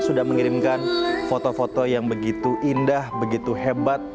sudah mengirimkan foto foto yang begitu indah begitu hebat